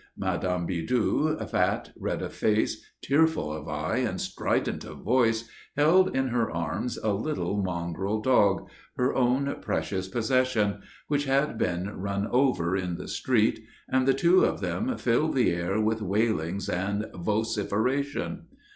Madame Bidoux, fat, red of face, tearful of eye and strident of voice, held in her arms a little mongrel dog her own precious possession which had just been run over in the street, and the two of them filled the air with wailings and vociferation.